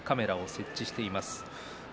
設置しています。